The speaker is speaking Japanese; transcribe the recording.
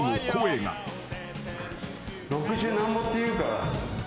六十何ぼっていうから。